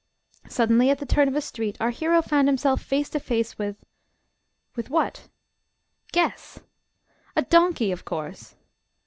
Suddenly, at the turn of a street, our hero found himself face to face with with what? Guess! "A donkey, of course!"